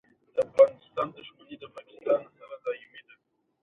غوا د سړې هوا سره ښه عیارېږي.